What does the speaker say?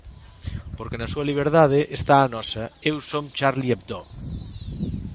Porque na súa liberdade está a nosa "Eu son Charlie Hebdo".